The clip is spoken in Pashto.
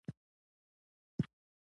د بغلان په خوست او فرنګ کې سکاره شته.